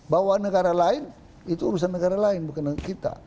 bahwa negara lain itu urusan negara lain bukan kita